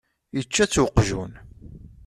Ičča-tt uqjun.